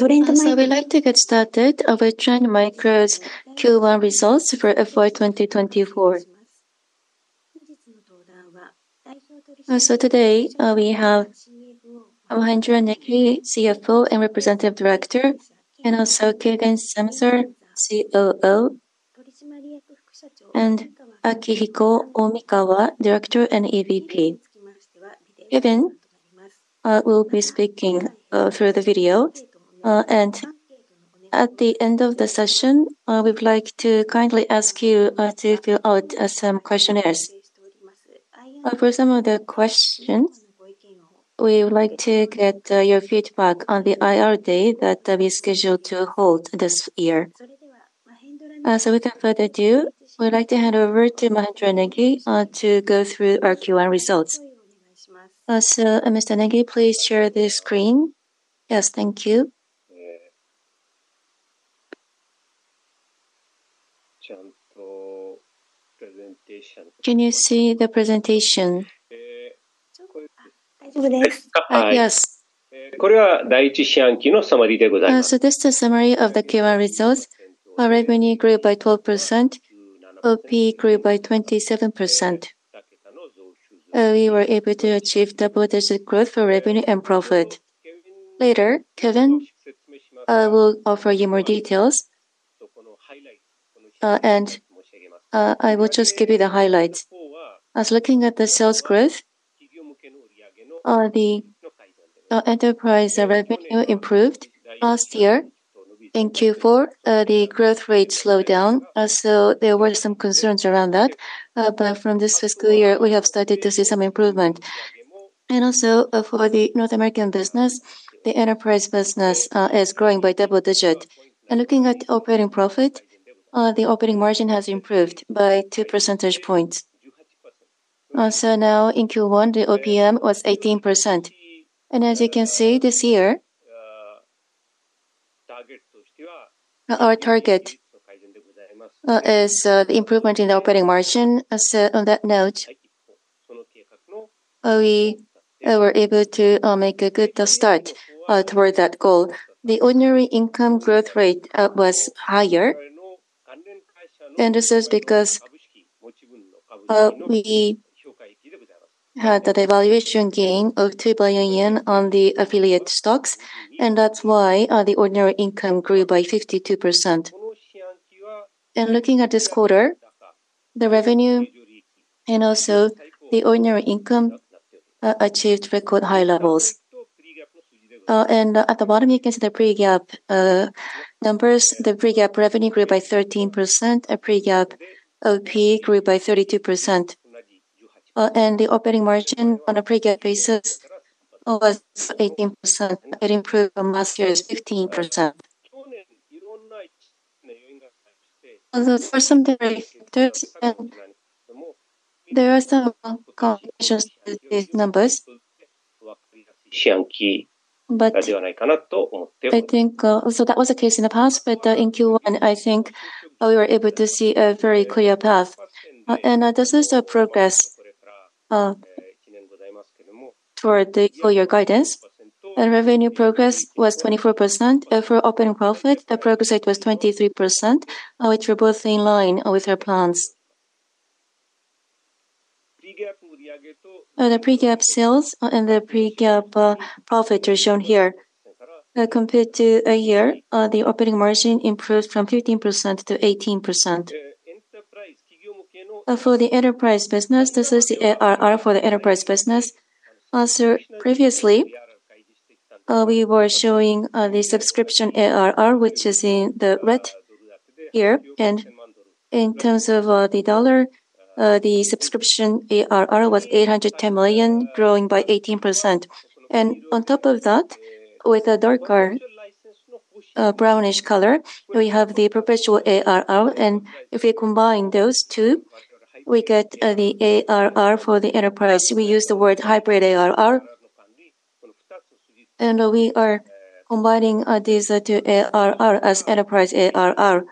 Also, we'd like to get started with Trend Micro's Q1 results for FY 2024. Also today, we have Mahendra Negi, CFO and Representative Director, and also Kevin Simzer, COO, and Akihiko Omikawa, Director and EVP. Kevin will be speaking through the video. And at the end of the session, we'd like to kindly ask you to fill out some questionnaires. For some of the questions, we would like to get your feedback on the IR day that we scheduled to hold this year. So without further ado, we'd like to hand over to Mahendra Negi to go through our Q1 results. So, Mr. Negi, please share the screen. Yes, thank you. Can you see the presentation? Uh, yes. So this is a summary of the Q1 results. Our revenue grew by 12%, OP grew by 27%. We were able to achieve double-digit growth for revenue and profit. Later, Kevin, will offer you more details, and I will just give you the highlights. As looking at the sales growth, the enterprise revenue improved. Last year in Q4, the growth rate slowed down, so there were some concerns around that. But from this fiscal year, we have started to see some improvement. And also, for the North American business, the enterprise business, is growing by double-digit. And looking at operating profit, the operating margin has improved by two percentage points. So now in Q1, the OPM was 18%. As you can see this year, our target is the improvement in the operating margin. As on that note, we were able to make a good start toward that goal. The ordinary income growth rate was higher, and this is because we had the valuation gain of 2 billion yen on the affiliate stocks, and that's why the ordinary income grew by 52%. Looking at this quarter, the revenue and also the ordinary income achieved record high levels. At the bottom, you can see the Pre-GAAP numbers. The Pre-GAAP revenue grew by 13%, and Pre-GAAP OP grew by 32%. The operating margin on a Pre-GAAP basis was 18%. It improved from last year's 15%. Although for some factors, and there are some complications with these numbers, but I think... So that was the case in the past, but, in Q1, I think, we were able to see a very clear path. And this is the progress toward the full year guidance. And revenue progress was 24%. For operating profit, the progress rate was 23%, which were both in line with our plans. The Pre-GAAP sales and the Pre-GAAP profit are shown here. Compared to a year, the operating margin improved from 15% to 18%. For the enterprise business, this is the ARR for the enterprise business. Also, previously, we were showing the subscription ARR, which is in the red here. In terms of the dollar, the subscription ARR was $810 million, growing by 18%. On top of that, with a darker brownish color, we have the perpetual ARR, and if we combine those two, we get the ARR for the enterprise. We use the word hybrid ARR, and we are combining these two ARR as enterprise ARR.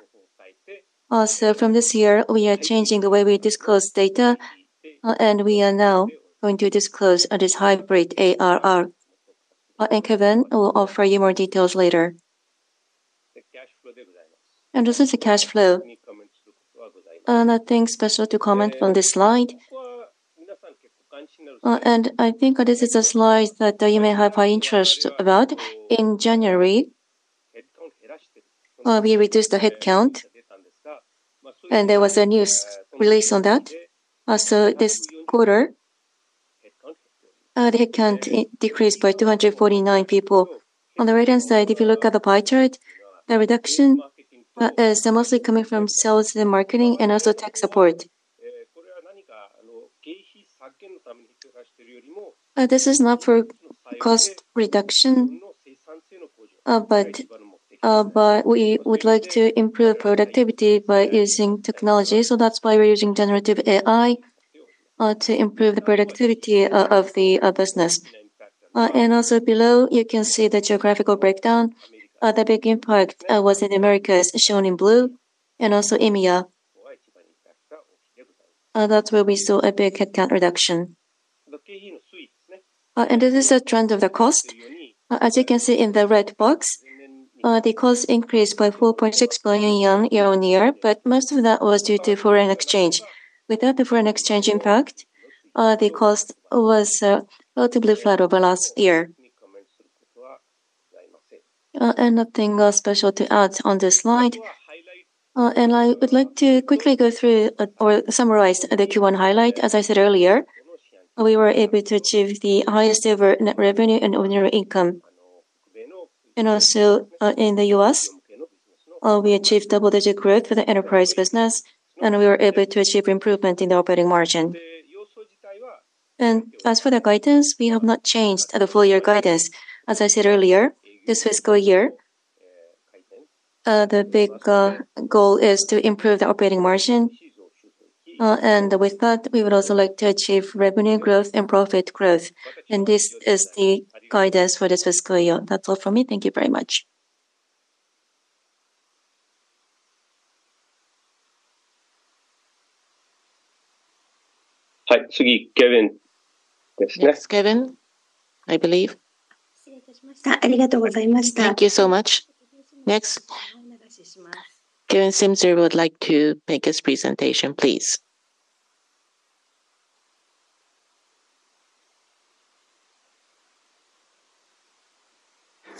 Also, from this year, we are changing the way we disclose data, and we are now going to disclose this hybrid ARR. Kevin will offer you more details later. This is the cash flow. Nothing special to comment on this slide. I think this is a slide that you may have high interest about. In January, we reduced the headcount, and there was a news release on that. Also, this quarter, the headcount decreased by 249 people. On the right-hand side, if you look at the pie chart, the reduction is mostly coming from sales and marketing and also tech support. This is not for cost reduction, but we would like to improve productivity by using technology. So that's why we're using generative AI to improve the productivity of the business. And also below, you can see the geographical breakdown. The big impact was in Americas, shown in blue, and also EMEA. That will be so a big headcount reduction. And this is the trend of the cost. As you can see in the red box, the cost increased by 4.6 billion yen year-on-year, but most of that was due to foreign exchange. Without the foreign exchange impact, the cost was relatively flat over last year. Nothing special to add on this slide. I would like to quickly go through or summarize the Q1 highlight. As I said earlier, we were able to achieve the highest ever net revenue and ordinary income. Also, in the U.S., we achieved double-digit growth for the enterprise business, and we were able to achieve improvement in the operating margin. As for the guidance, we have not changed the full year guidance. As I said earlier, this fiscal year, the big goal is to improve the operating margin. With that, we would also like to achieve revenue growth and profit growth, and this is the guidance for this fiscal year. That's all for me. Thank you very much. Hi, Kevin. Next, Kevin, I believe. Thank you so much. Next, Kevin Simzer would like to make his presentation, please.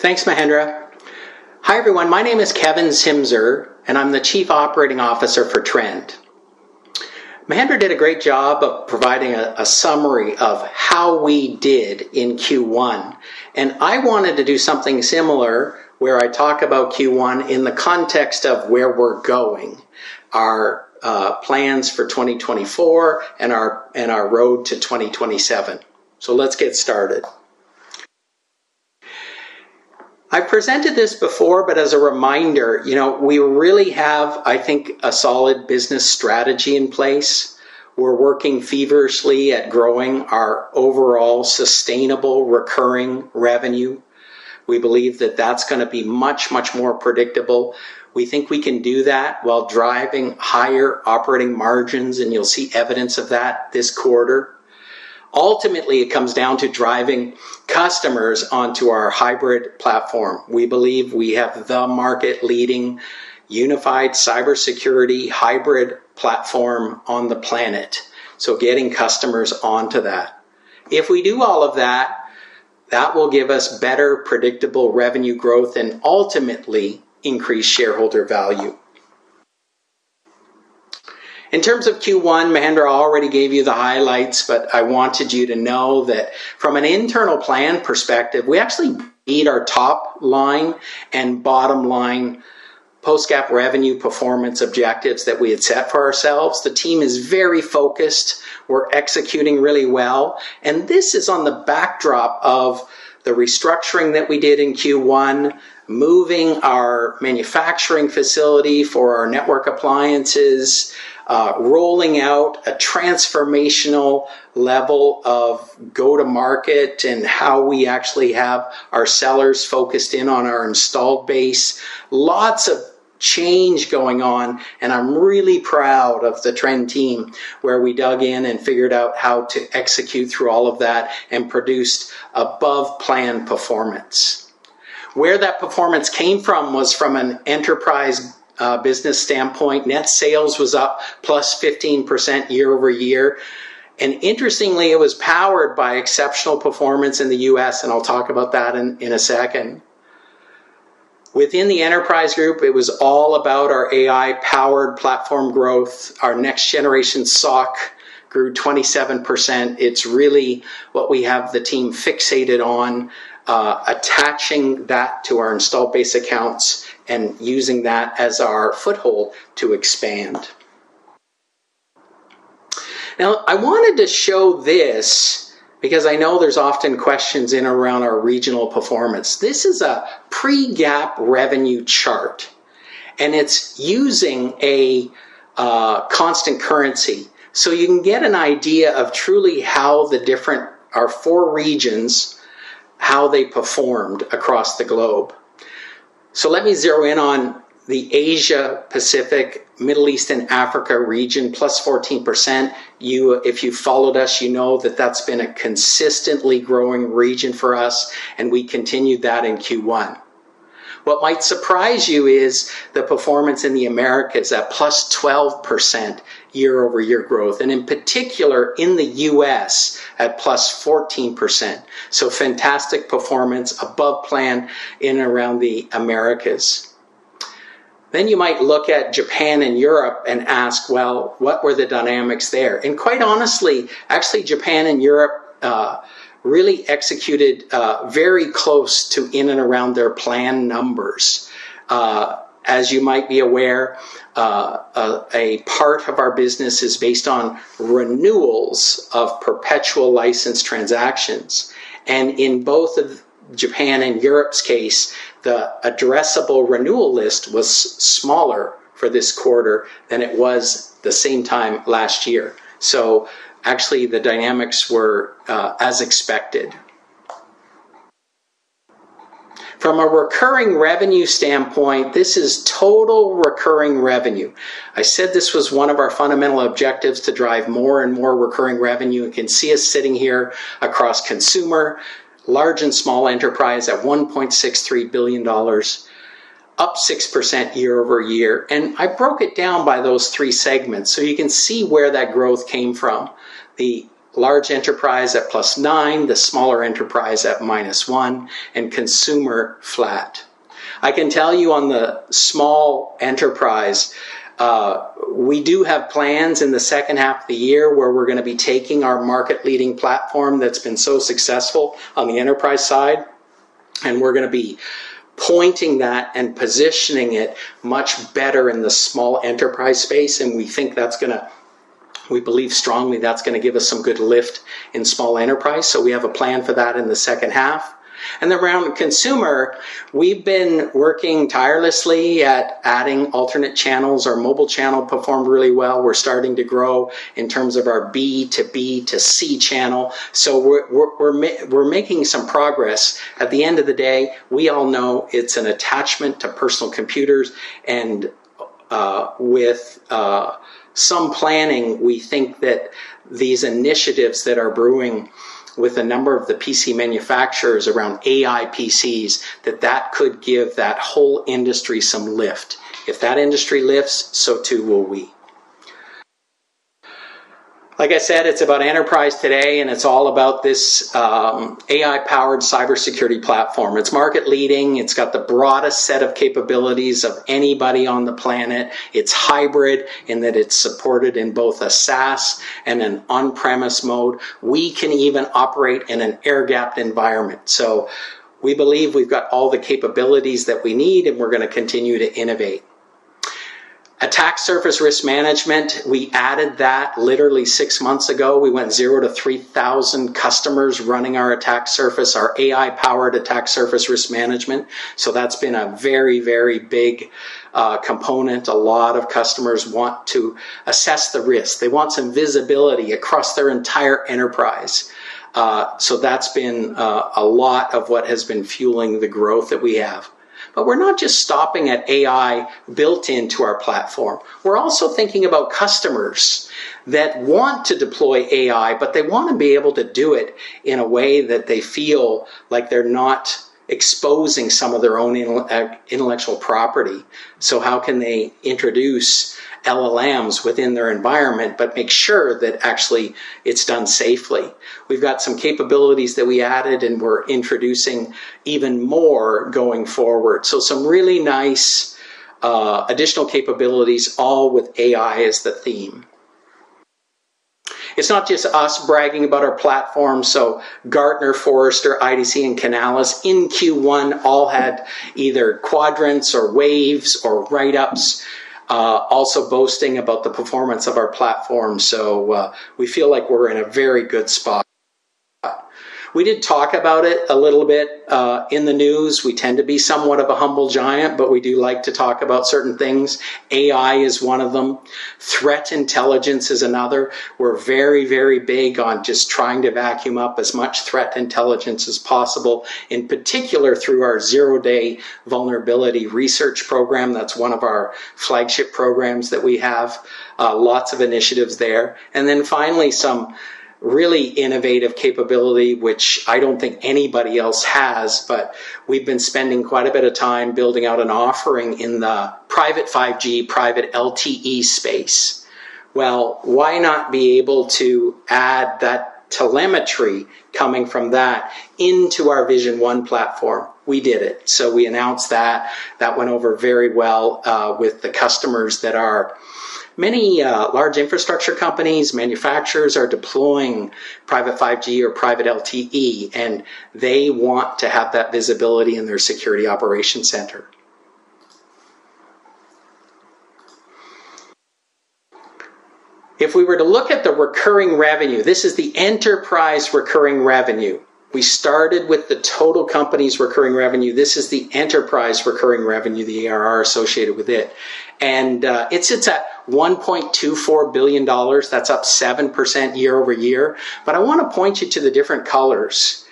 Thanks, Mahendra. Hi, everyone. My name is Kevin Simzer, and I'm the Chief Operating Officer for Trend. Mahendra did a great job of providing a summary of how we did in Q1, and I wanted to do something similar, where I talk about Q1 in the context of where we're going, our plans for 2024, and our road to 2027. So let's get started. I presented this before, but as a reminder, you know, we really have, I think, a solid business strategy in place. We're working feverishly at growing our overall sustainable recurring revenue. We believe that that's gonna be much, much more predictable. We think we can do that while driving higher operating margins, and you'll see evidence of that this quarter. Ultimately, it comes down to driving customers onto our hybrid platform. We believe we have the market-leading unified cybersecurity hybrid platform on the planet, so getting customers onto that. If we do all of that, that will give us better, predictable revenue growth and ultimately increase shareholder value. In terms of Q1, Mahendra already gave you the highlights, but I wanted you to know that from an internal plan perspective, we actually beat our top line and bottom line post-GAAP revenue performance objectives that we had set for ourselves. The team is very focused. We're executing really well, and this is on the backdrop of the restructuring that we did in Q1, moving our manufacturing facility for our network appliances, rolling out a transformational level of go-to-market, and how we actually have our sellers focused in on our installed base. Lots of change going on, and I'm really proud of the Trend team, where we dug in and figured out how to execute through all of that and produced above-plan performance. Where that performance came from was from an enterprise business standpoint. Net sales was up +15% year-over-year, and interestingly, it was powered by exceptional performance in the U.S., and I'll talk about that in a second. Within the enterprise group, it was all about our AI-powered platform growth. Our next generation SOC grew 27%. It's really what we have the team fixated on, attaching that to our installed base accounts and using that as our foothold to expand. Now, I wanted to show this because I know there's often questions around our regional performance. This is a pre-GAAP revenue chart, and it's using a constant currency. So you can get an idea of truly how the different... our four regions, how they performed across the globe. So let me zero in on the Asia, Pacific, Middle East and Africa region, +14%. If you followed us, you know that that's been a consistently growing region for us, and we continued that in Q1. What might surprise you is the performance in the Americas at +12% year-over-year growth, and in particular in the U.S. at +14%, so fantastic performance above plan in and around the Americas. Then you might look at Japan and Europe and ask, "Well, what were the dynamics there?" And quite honestly, actually, Japan and Europe really executed very close to in and around their plan numbers. As you might be aware, a part of our business is based on renewals of perpetual license transactions, and in both of Japan and Europe's case, the addressable renewal list was smaller for this quarter than it was the same time last year. So actually, the dynamics were as expected. From a recurring revenue standpoint, this is total recurring revenue. I said this was one of our fundamental objectives to drive more and more recurring revenue. You can see us sitting here across consumer, large and small enterprise at $1.63 billion, up 6% year-over-year. I broke it down by those three segments, so you can see where that growth came from. The large enterprise at +9%, the smaller enterprise at -1%, and consumer flat. I can tell you on the small enterprise, we do have plans in the second half of the year where we're gonna be taking our market-leading platform that's been so successful on the enterprise side, and we're gonna be pointing that and positioning it much better in the small enterprise space, and we think that's gonna, we believe strongly that's gonna give us some good lift in small enterprise. So we have a plan for that in the second half. And around consumer, we've been working tirelessly at adding alternate channels. Our mobile channel performed really well. We're starting to grow in terms of our B2B2C channel. So we're making some progress. At the end of the day, we all know it's an attachment to personal computers, and with some planning, we think that these initiatives that are brewing with a number of the PC manufacturers around AI PCs, that that could give that whole industry some lift. If that industry lifts, so too will we. Like I said, it's about enterprise today, and it's all about this AI-powered cybersecurity platform. It's market-leading. It's got the broadest set of capabilities of anybody on the planet. It's hybrid, in that it's supported in both a SaaS and an on-premise mode. We can even operate in an air-gapped environment. So we believe we've got all the capabilities that we need, and we're gonna continue to innovate. Attack Surface Risk Management, we added that literally six months ago. We went 0 to 3,000 customers running our attack surface, our AI-powered Attack Surface Risk Management. So that's been a very, very big component. A lot of customers want to assess the risk. They want some visibility across their entire enterprise. So that's been a lot of what has been fueling the growth that we have. But we're not just stopping at AI built into our platform. We're also thinking about customers that want to deploy AI, but they want to be able to do it in a way that they feel like they're not exposing some of their own intellectual property. So how can they introduce LLMs within their environment, but make sure that actually it's done safely? We've got some capabilities that we added, and we're introducing even more going forward. So some really nice, additional capabilities, all with AI as the theme. It's not just us bragging about our platform. So Gartner, Forrester, IDC, and Canalys in Q1 all had either quadrants, or waves, or write-ups, also boasting about the performance of our platform. So, we feel like we're in a very good spot. We did talk about it a little bit, in the news. We tend to be somewhat of a humble giant, but we do like to talk about certain things. AI is one of them. Threat intelligence is another. We're very, very big on just trying to vacuum up as much threat intelligence as possible, in particular, through our zero-day vulnerability research program. That's one of our flagship programs that we have, lots of initiatives there. And then finally, some really innovative capability, which I don't think anybody else has, but we've been spending quite a bit of time building out an offering in the private 5G, private LTE space. Well, why not be able to add that telemetry coming from that into our Vision One platform? We did it. So we announced that. That went over very well with the customers that are many large infrastructure companies, manufacturers, are deploying private 5G or private LTE, and they want to have that visibility in their security operations center. If we were to look at the recurring revenue, this is the enterprise recurring revenue. We started with the total company's recurring revenue. This is the enterprise recurring revenue, the ARR associated with it, and it sits at $1.24 billion. That's up 7% year-over-year. But I want to point you to the different colors.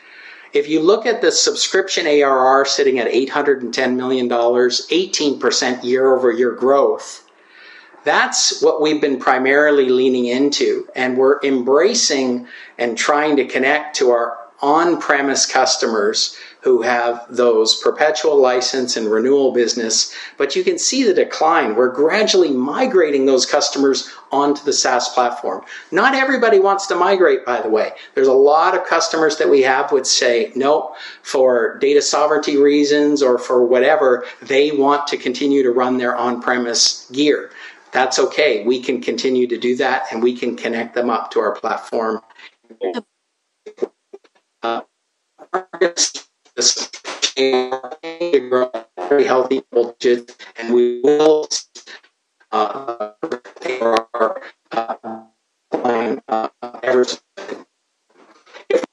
If you look at the subscription ARR sitting at $810 million, 18% year-over-year growth, that's what we've been primarily leaning into, and we're embracing and trying to connect to our on-premise customers who have those perpetual license and renewal business. But you can see the decline. We're gradually migrating those customers onto the SaaS platform. Not everybody wants to migrate, by the way. There's a lot of customers that we have would say, "Nope," for data sovereignty reasons or for whatever they want to continue to run their on-premise gear. That's okay. We can continue to do that, and we can connect them up to our platform. Very healthy, and we will ever. If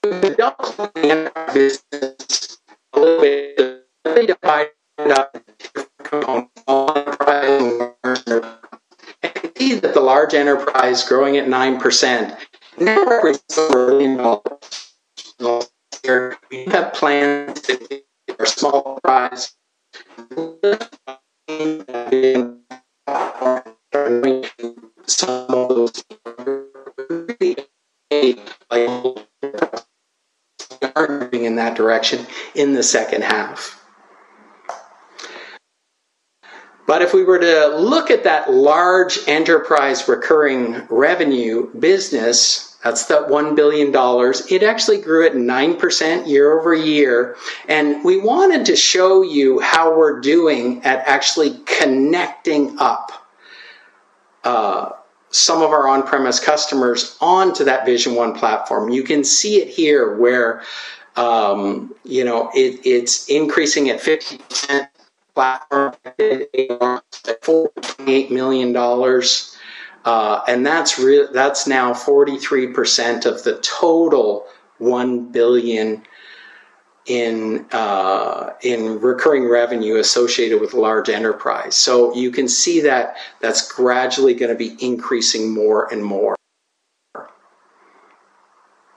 the business a little bit, I think if I end up on-... You can see that the large enterprise growing at 9%. Now, early in all, we have plans to small price in that direction in the second half. But if we were to look at that large enterprise recurring revenue business, that's that $1 billion, it actually grew at 9% year-over-year, and we wanted to show you how we're doing at actually connecting up some of our on-premise customers onto that Vision One platform. You can see it here where, you know, it, it's increasing at 50% platform, $48 million, and that's that's now 43% of the total $1 billion in recurring revenue associated with large enterprise. So you can see that that's gradually gonna be increasing more and more.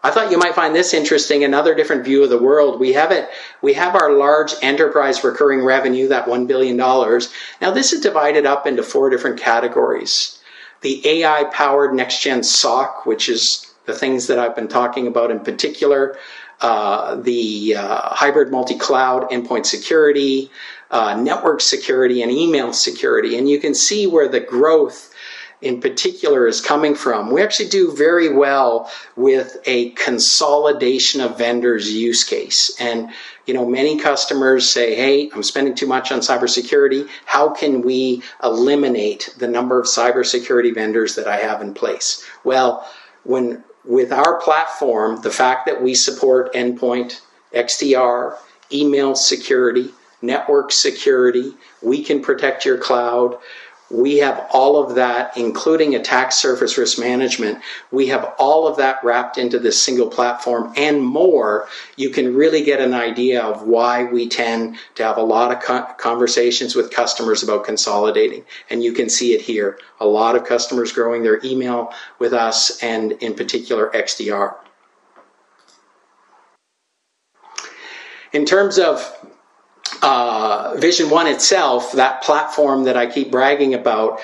I thought you might find this interesting, another different view of the world. We have it. We have our large enterprise recurring revenue, that $1 billion. Now, this is divided up into four different categories: the AI-powered next-gen SOC, which is the things that I've been talking about, in particular, the hybrid multi-cloud endpoint security, network security, and email security, and you can see where the growth, in particular, is coming from. We actually do very well with a consolidation of vendors use case, and, you know, many customers say, "Hey, I'm spending too much on cybersecurity. How can we eliminate the number of cybersecurity vendors that I have in place?" Well, with our platform, the fact that we support endpoint, XDR, email security, network security, we can protect your cloud. We have all of that, including Attack Surface Risk Management. We have all of that wrapped into this single platform and more. You can really get an idea of why we tend to have a lot of conversations with customers about consolidating, and you can see it here. A lot of customers growing their email with us, and in particular, XDR. In terms of Vision One itself, that platform that I keep bragging about,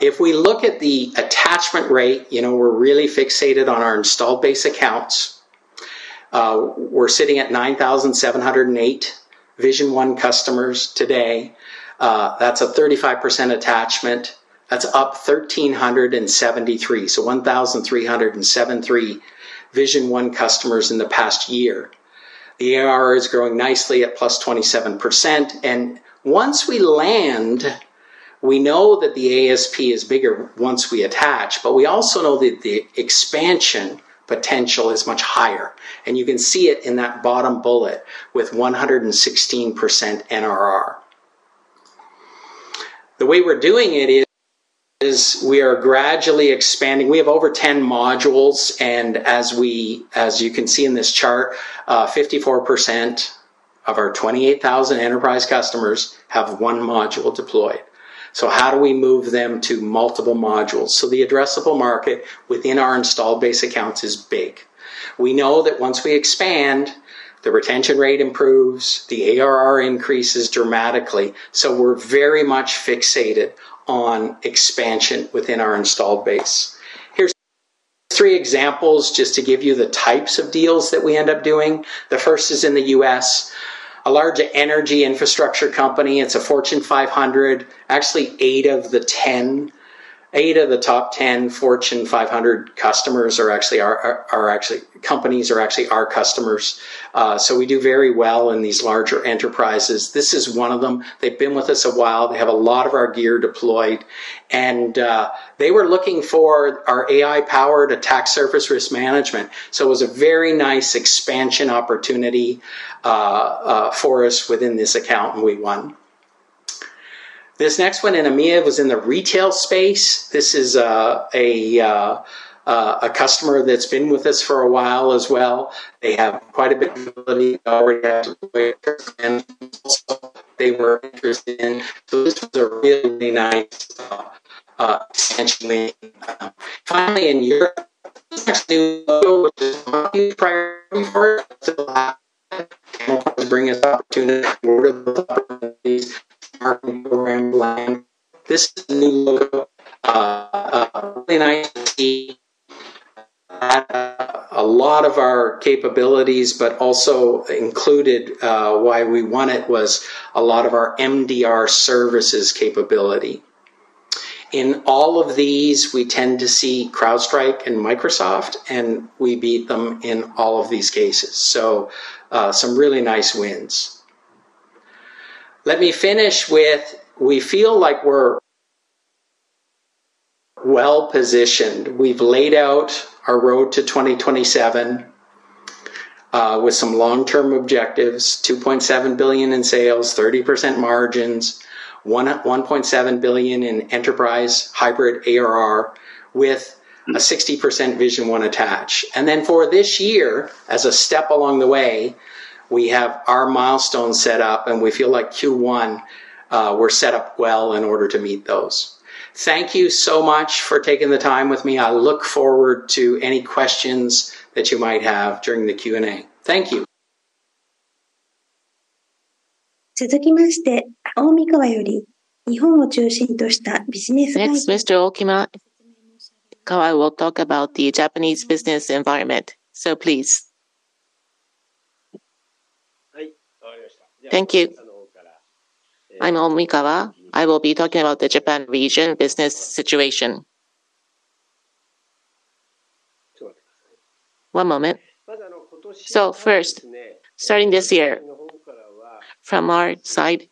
if we look at the attachment rate, you know, we're really fixated on our installed base accounts. We're sitting at 9,708 Vision One customers today. That's a 35% attachment. That's up 1,373, so 1,373 Vision One customers in the past year. The ARR is growing nicely at +27%, and once we land, we know that the ASP is bigger once we attach, but we also know that the expansion potential is much higher, and you can see it in that bottom bullet with 116% NRR. The way we're doing it is we are gradually expanding. We have over 10 modules, and as you can see in this chart, 54% of our 28,000 enterprise customers have one module deployed. So how do we move them to multiple modules? So the addressable market within our installed base accounts is big. We know that once we expand, the retention rate improves, the ARR increases dramatically, so we're very much fixated on expansion within our installed base. Here's three examples, just to give you the types of deals that we end up doing. The first is in the US, a large energy infrastructure company. It's a Fortune 500. Actually, 8 of the 10, 8 of the top 10 Fortune 500 customers are actually our customers. So we do very well in these larger enterprises. This is one of them. They've been with us a while. They have a lot of our gear deployed, and they were looking for our AI-powered Attack Surface Risk Management. So it was a very nice expansion opportunity for us within this account, and we won. This next one in EMEA was in the retail space. This is a customer that's been with us for a while as well. They have quite a bit of ability already, and they were interested in. So this was a really nice, essentially... Finally, in Europe, this is a new logo, really nice. See, a lot of our capabilities, but also included, why we won it was a lot of our MDR services capability. In all of these, we tend to see CrowdStrike and Microsoft, and we beat them in all of these cases. So, some really nice wins. Let me finish with we feel like we're well-positioned. We've laid out our road to 2027 with some long-term objectives, $2.7 billion in sales, 30% margins, $1.7 billion in enterprise hybrid ARR with a 60% Vision One attach. And then for this year, as a step along the way, we have our milestones set up, and we feel like Q1, we're set up well in order to meet those. Thank you so much for taking the time with me. I look forward to any questions that you might have during the Q&A. Thank you. Next, Mr. Omikawa will talk about the Japanese business environment. So please. Thank you. I'm Omikawa. I will be talking about the Japan region business situation. One moment. First, starting this year, from our side,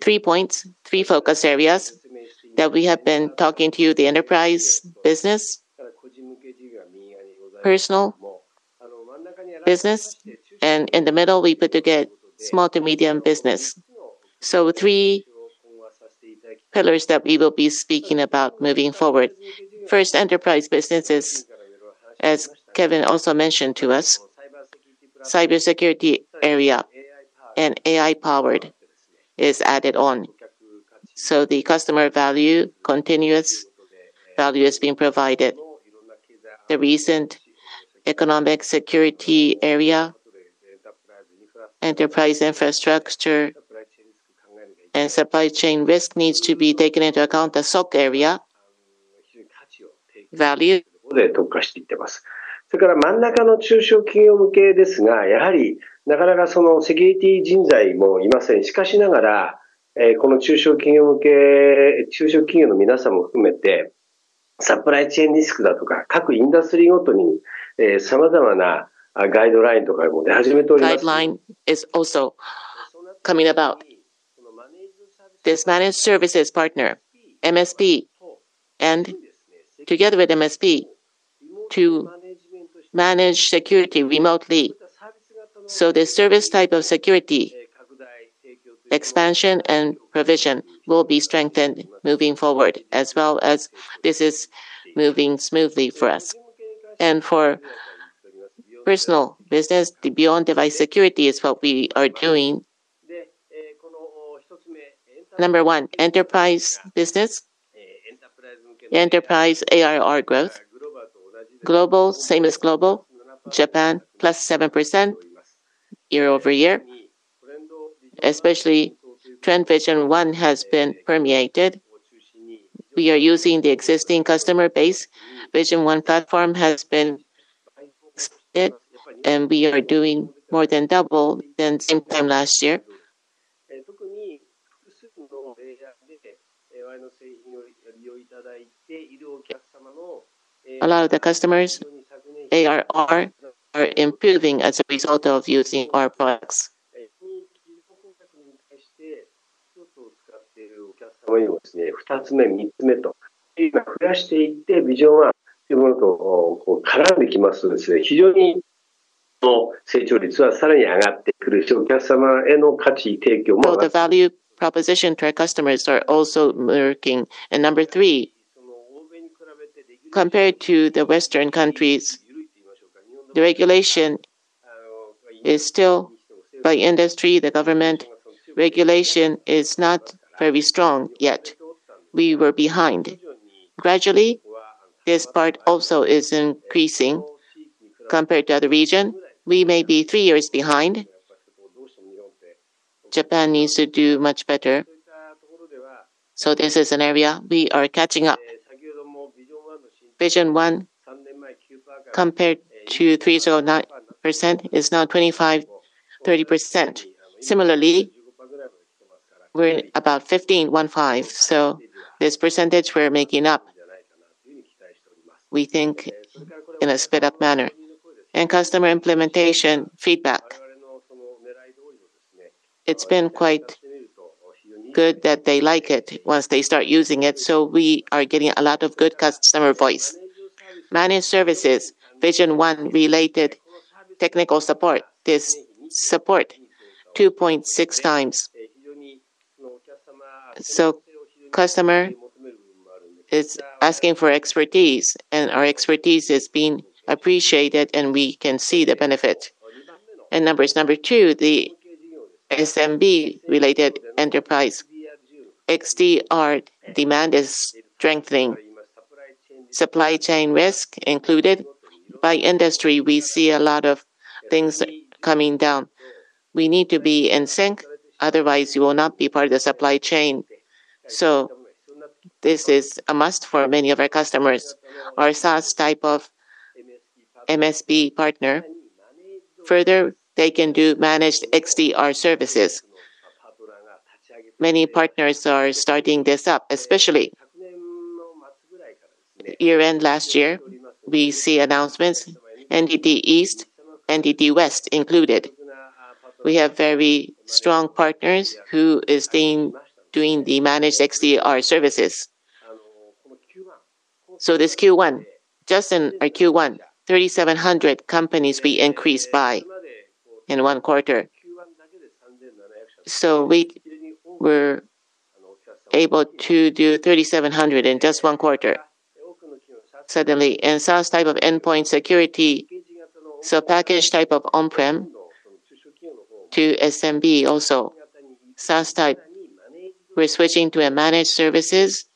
three points, three focus areas that we have been talking to you, the enterprise business, personal business, and in the middle, we put together small to medium business. Three pillars that we will be speaking about moving forward. First, enterprise businesses, as Kevin also mentioned to us, cybersecurity area and AI-powered is added on. The customer value, continuous value is being provided. The recent economic security area, enterprise infrastructure, and supply chain risk needs to be taken into account, the SOC area, value. Guideline is also coming about. This managed services partner, MSP, and together with MSP, to manage security remotely. So the service type of security, expansion and provision will be strengthened moving forward, as well as this is moving smoothly for us. And for personal business, the beyond device security is what we are doing. Number one, enterprise business. Enterprise ARR growth. Global, same as global, Japan, +7% year-over-year. Especially Trend Vision One has been permeated. We are using the existing customer base. Vision One platform has been expanded, and we are doing more than double than same time last year. A lot of the customers, ARR, are improving as a result of using our products. So the value proposition to our customers are also working. And number three, compared to the Western countries, the regulation is still by industry, the government. Regulation is not very strong yet. We were behind. Gradually, this part also is increasing. Compared to other region, we may be 3 years behind. Japan needs to do much better, so this is an area we are catching up. Vision One, compared to 309%, is now 25-30%. Similarly, we're about 15, 15, so this percentage we're making up, we think, in a sped-up manner. Customer implementation feedback. It's been quite good that they like it once they start using it, so we are getting a lot of good customer voice. Managed services, Vision One-related technical support, this support, 2.6 times. So customer is asking for expertise, and our expertise is being appreciated, and we can see the benefit. Number two, the SMB-related enterprise. XDR demand is strengthening. Supply chain risk included. By industry, we see a lot of things coming down. We need to be in sync, otherwise you will not be part of the supply chain. So this is a must for many of our customers. Our SaaS type of MSP partner, further, they can do managed XDR services. Many partners are starting this up, especially year-end last year, we see announcements, NTT East, NTT West included. We have very strong partners who is doing, doing the managed XDR services. So this Q1, just in our Q1, 3,700 companies we increased by in one quarter. So we were able to do 3,700 in just one quarter, suddenly. And SaaS type of endpoint security, so package type of on-prem to SMB also, SaaS type, we're switching to a managed services.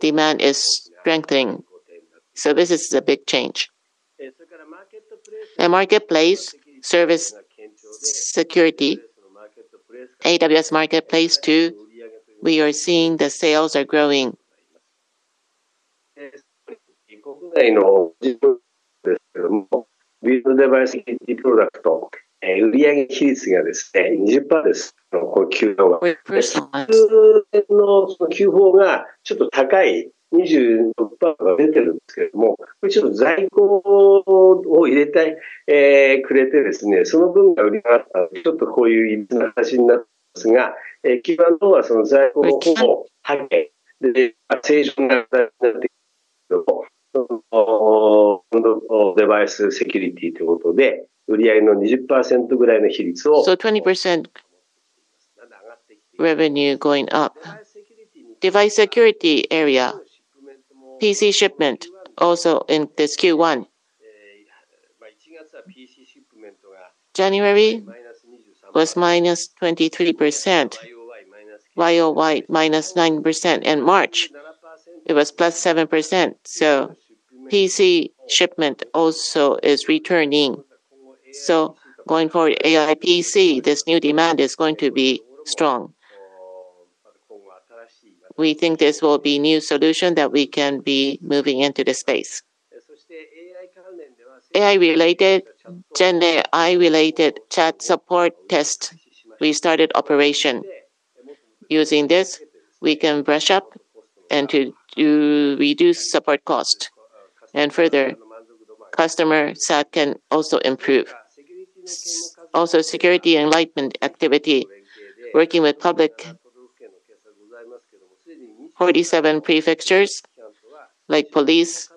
Demand is strengthening, so this is a big change. And marketplace service security, AWS Marketplace, too, we are seeing the sales are growing. So 20% revenue going up. Device security area, PC shipment also in this Q1. January was -23%, YoY -9%. In March, it was +7%, so PC shipment also is returning. So going forward, AI PC, this new demand is going to be strong. We think this will be new solution that we can be moving into the space. AI-related, GenAI-related chat support test, we started operation. Using this, we can brush up and to do reduce support cost, and further, customer sat can also improve. Also, security enlightenment activity, working with public 47 prefectures, like police,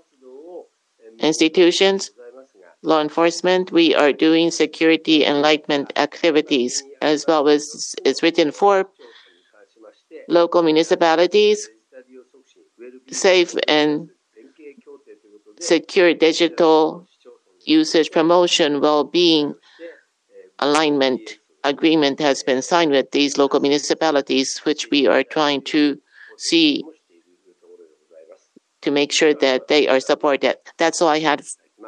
institutions, law enforcement, we are doing security enlightenment activities as well as is written for local municipalities, safe and secure digital usage promotion, well-being alignment agreement has been signed with these local municipalities, which we are trying to see to make sure that they are supported. That's all I have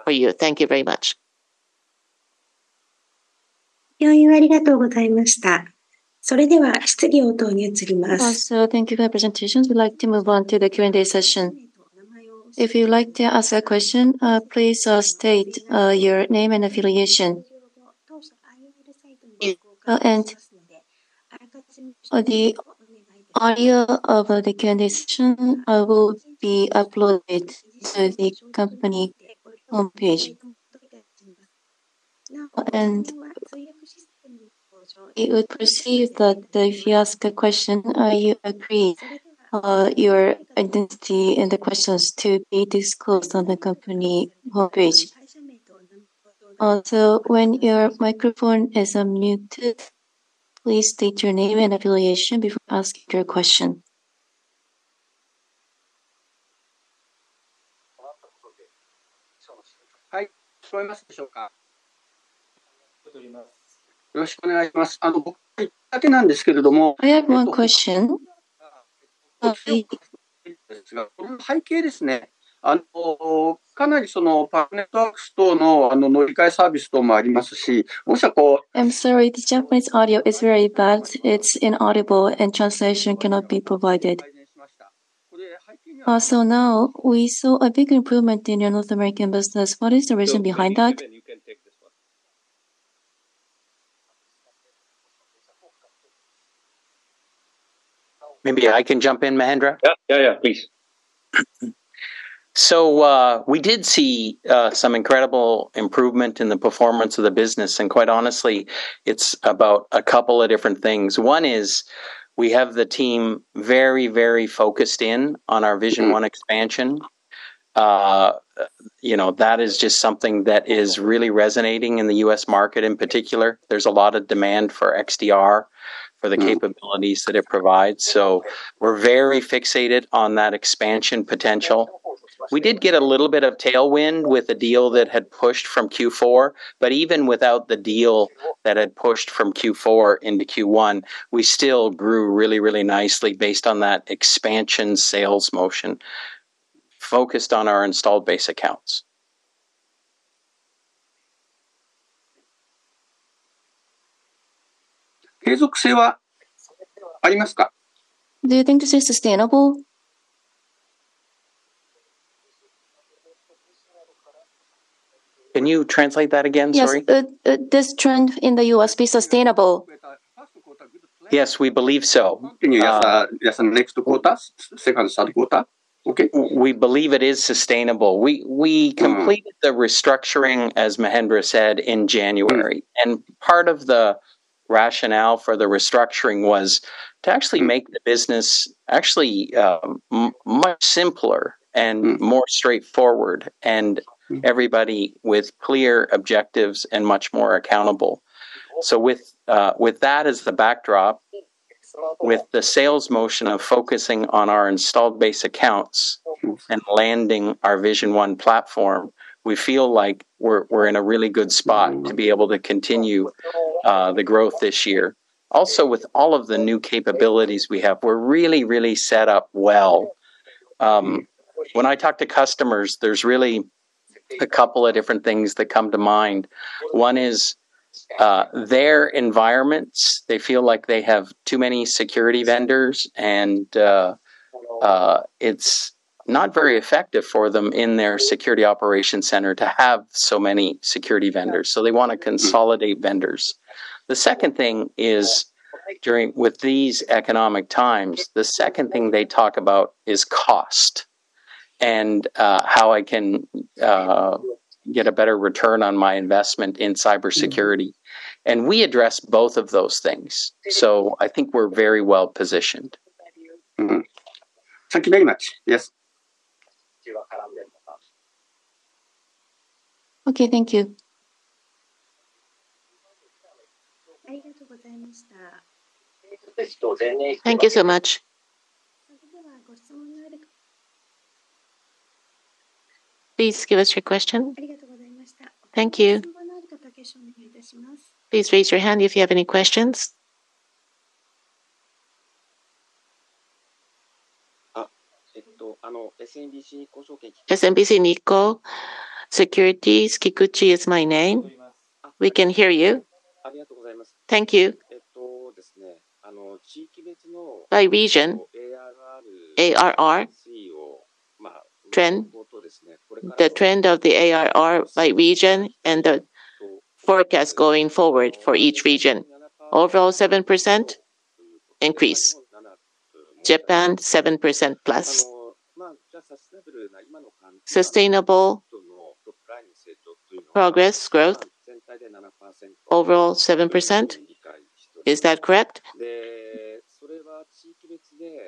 for you. Thank you very much. Also, thank you for your presentations. We'd like to move on to the Q&A session. If you'd like to ask a question, please state your name and affiliation. And the audio of the Q&A session will be uploaded to the company homepage. And it would perceive that if you ask a question, you agree your identity and the questions to be disclosed on the company homepage. Also, when your microphone is unmuted, please state your name and affiliation before asking your question. I have one question. I'm sorry, the Japanese audio is very bad. It's inaudible, and translation cannot be provided. So now we saw a big improvement in your North American business. What is the reason behind that? Maybe I can jump in, Mahendra? Yeah. Yeah, yeah, please. So, we did see some incredible improvement in the performance of the business, and quite honestly, it's about a couple of different things. One is we have the team very, very focused in on our Vision One expansion. You know, that is just something that is really resonating in the U.S. market in particular. There's a lot of demand for XDR, for the capabilities that it provides, so we're very fixated on that expansion potential. We did get a little bit of tailwind with a deal that had pushed from Q4, but even without the deal that had pushed from Q4 into Q1, we still grew really, really nicely based on that expansion sales motion, focused on our installed base accounts. Do you think this is sustainable? Can you translate that again? Sorry. Yes. This trend in the U.S. be sustainable? Yes, we believe so. Can you, just next quarter, second quarter? Okay. We believe it is sustainable. Mm. completed the restructuring, as Mahendra said, in January. Mm. Part of the rationale for the restructuring was to actually make the business actually much simpler and- Mm. more straightforward, and everybody with clear objectives and much more accountable. So with, with that as the backdrop, with the sales motion of focusing on our installed base accounts- Mm. Landing our Vision One platform, we feel like we're in a really good spot. Mm-hmm. -to be able to continue the growth this year. Also, with all of the new capabilities we have, we're really, really set up well. When I talk to customers, there's really a couple of different things that come to mind. One is their environments. They feel like they have too many security vendors, and it's not very effective for them in their security operations center to have so many security vendors, so they want to- Mm. -consolidate vendors. With these economic times, the second thing they talk about is cost and how I can get a better return on my investment in cybersecurity. Mm. We address both of those things, so I think we're very well positioned. Mm-hmm. Thank you very much. Yes? Okay, thank you. Thank you so much. Please give us your question. Thank you. Please raise your hand if you have any questions. SMBC Nikko Securities, Kikuchi is my name. We can hear you. Thank you. By region, ARR trend, the trend of the ARR by region and the forecast going forward for each region. Overall, 7% increase. Japan, 7% plus. Sustainable progress growth, overall 7%. Is that correct?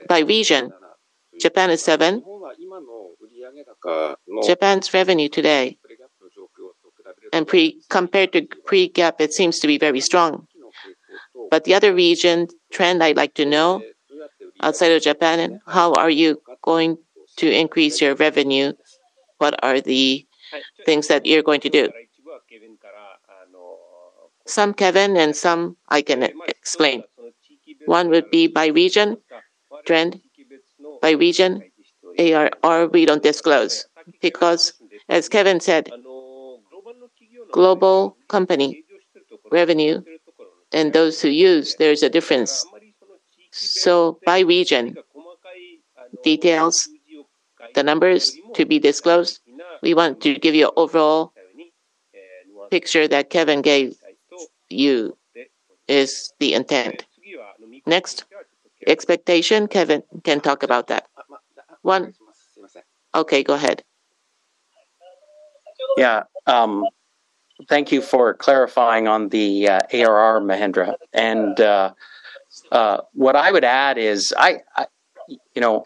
By region, Japan is 7. Japan's revenue today, and pre- compared to pre-GAAP, it seems to be very strong. But the other region trend I'd like to know, outside of Japan, and how are you going to increase your revenue? What are the things that you're going to do? Some Kevin and some I can explain. One would be by region, trend by region. ARR we don't disclose because, as Kevin said, global company revenue and those who use, there is a difference. So by region details, the numbers to be disclosed, we want to give you an overall picture that Kevin gave you, is the intent. Next, expectation, Kevin can talk about that. One... Okay, go ahead. Yeah, thank you for clarifying on the ARR, Mahendra. And what I would add is, I you know,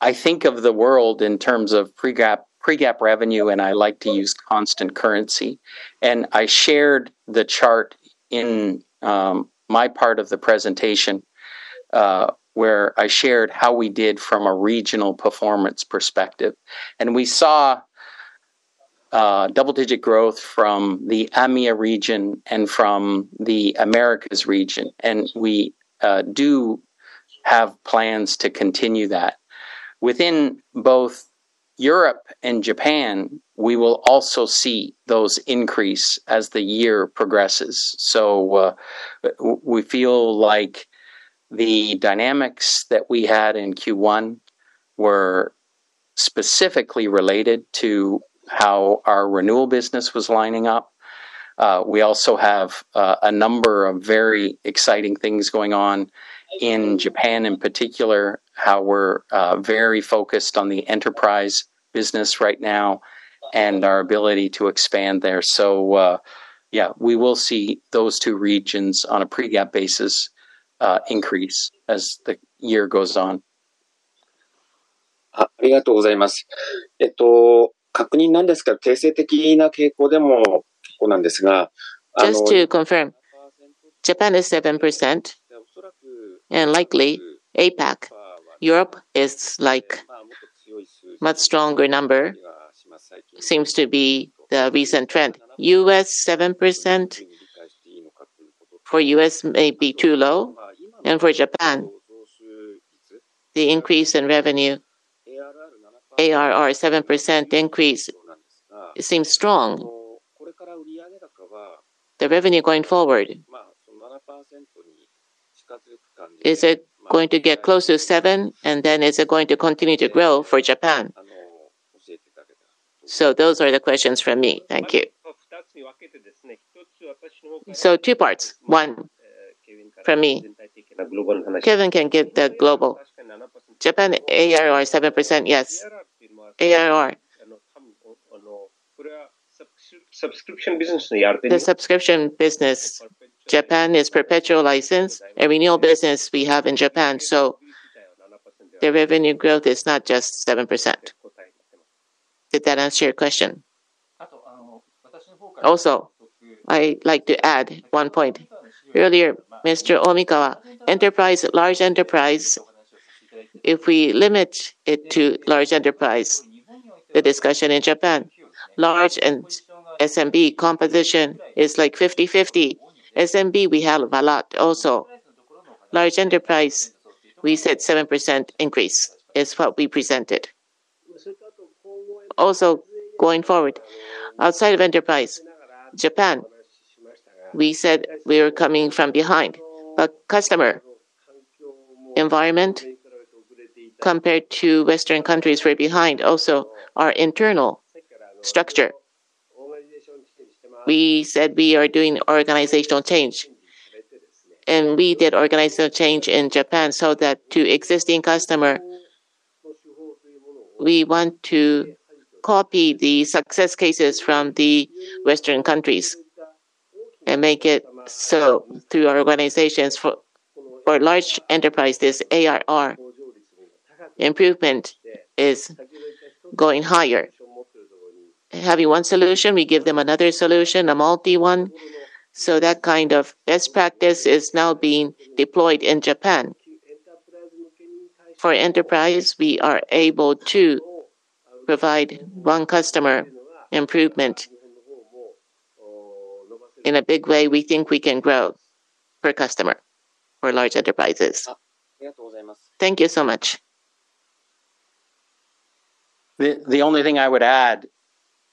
I think of the world in terms of Pre-GAAP, Pre-GAAP revenue, and I like to use constant currency. And I shared the chart in my part of the presentation where I shared how we did from a regional performance perspective. And we saw double-digit growth from the EMEA region and from the Americas region, and we do have plans to continue that. Within both Europe and Japan, we will also see those increase as the year progresses. So, we feel like the dynamics that we had in Q1 were specifically related to how our renewal business was lining up. We also have a number of very exciting things going on in Japan, in particular, how we're very focused on the enterprise business right now and our ability to expand there. So, yeah, we will see those two regions on a Pre-GAAP basis, increase as the year goes on. Just to confirm, Japan is 7%, and likely APAC. Europe is, like, much stronger number, seems to be the recent trend. US, 7%? For US, may be too low, and for Japan, the increase in revenue, ARR, 7% increase seems strong. The revenue going forward, is it going to get close to 7, and then is it going to continue to grow for Japan? So those are the questions from me. Thank you. So two parts. One, from me, Kevin can give the global. Japan, ARR 7%, yes. ARR... The subscription business, Japan is perpetual license and renewal business we have in Japan, so the revenue growth is not just 7%. Did that answer your question? Also, I'd like to add one point. Earlier, Mr. Omikawa, enterprise, large enterprise, if we limit it to large enterprise, the discussion in Japan, large and SMB composition is like 50/50. SMB, we have a lot also. Large enterprise, we said 7% increase is what we presented. Also, going forward, outside of enterprise, Japan, we said we are coming from behind, but customer environment compared to Western countries, we're behind. Also, our internal structure, we said we are doing organizational change, and we did organizational change in Japan so that to existing customer, we want to copy the success cases from the Western countries and make it so through our organizations for, for large enterprises, ARR improvement is going higher. Having one solution, we give them another solution, a multi one, so that kind of best practice is now being deployed in Japan. For enterprise, we are able to provide one customer improvement. In a big way, we think we can grow per customer for large enterprises. Thank you so much. The only thing I would add,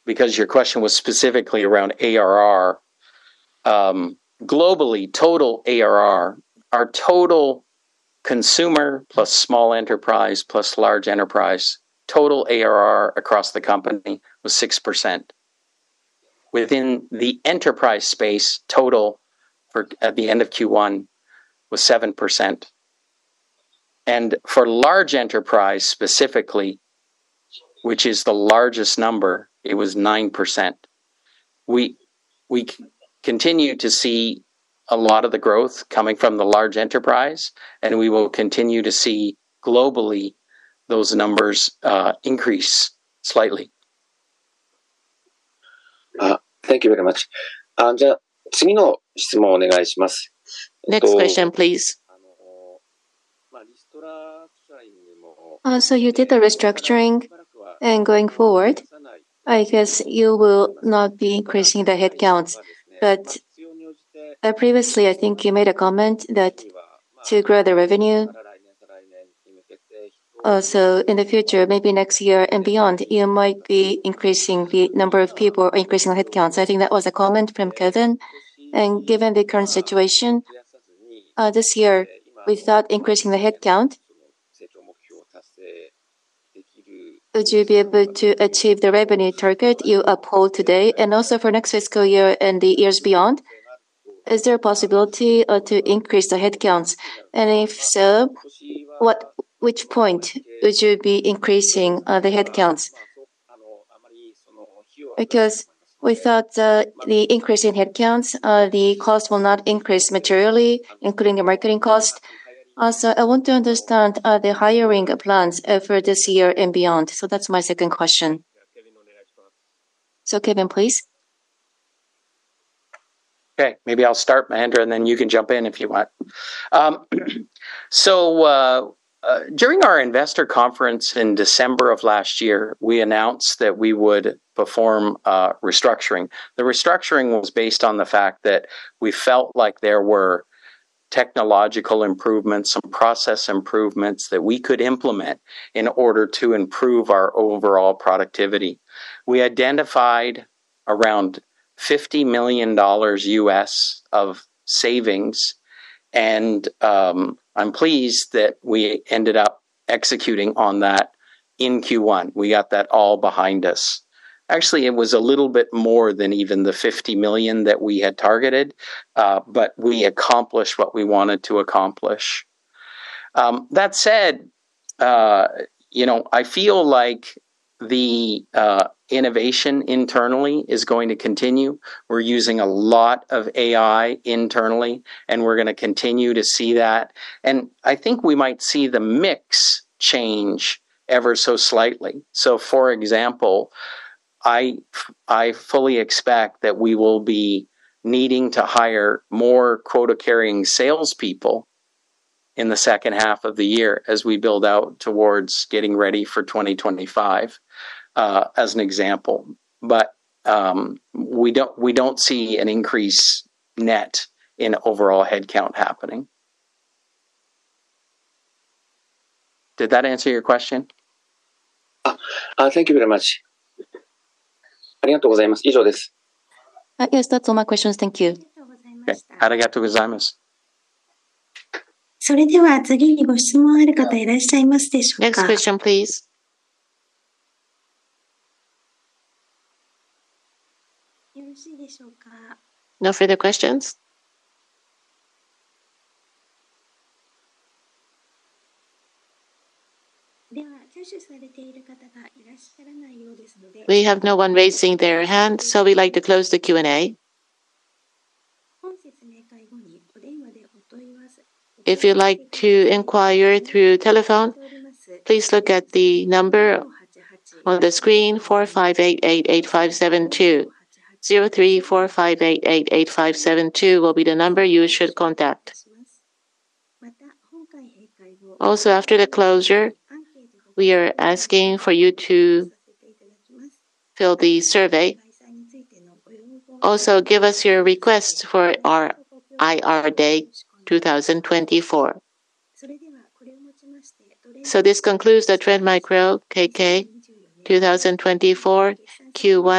because your question was specifically around ARR, globally, total ARR, our total consumer plus small enterprise, plus large enterprise, total ARR across the company was 6%. Within the enterprise space, total for, at the end of Q1 was 7%. For large enterprise specifically, which is the largest number, it was 9%. We continue to see a lot of the growth coming from the large enterprise, and we will continue to see globally those numbers, increase slightly. Thank you very much. Next question, please. So you did the restructuring, and going forward, I guess you will not be increasing the headcounts. But previously, I think you made a comment that to grow the revenue, also in the future, maybe next year and beyond, you might be increasing the number of people or increasing the headcounts. I think that was a comment from Kevin. And given the current situation, this year, without increasing the headcount, would you be able to achieve the revenue target you uphold today, and also for next fiscal year and the years beyond? Is there a possibility to increase the headcounts? And if so, which point would you be increasing the headcounts? Because without the increase in headcounts, the cost will not increase materially, including the marketing cost. Also, I want to understand the hiring plans for this year and beyond. That's my second question. Kevin, please. Okay. Maybe I'll start, Mahendra, and then you can jump in if you want. So, during our investor conference in December of last year, we announced that we would perform a restructuring. The restructuring was based on the fact that we felt like there were technological improvements and process improvements that we could implement in order to improve our overall productivity. We identified around $50 million of savings, and I'm pleased that we ended up executing on that in Q1. We got that all behind us. Actually, it was a little bit more than even the $50 million that we had targeted, but we accomplished what we wanted to accomplish. That said, you know, I feel like the innovation internally is going to continue. We're using a lot of AI internally, and we're gonna continue to see that, and I think we might see the mix change ever so slightly. So for example, I fully expect that we will be needing to hire more quota-carrying salespeople in the second half of the year as we build out towards getting ready for 2025, as an example. But we don't see an increase net in overall headcount happening. Did that answer your question? Thank you very much. Yes, that's all my questions. Thank you. Okay. Thank you very much. Next question, please. No further questions? We have no one raising their hand, so we'd like to close the Q&A. If you'd like to inquire through telephone, please look at the number on the screen, 458-885-72. 03-4588-8572 will be the number you should contact. Also, after the closure, we are asking for you to fill the survey. Also, give us your requests for our IR Day 2024. So this concludes the Trend Micro KK 2024 Q1-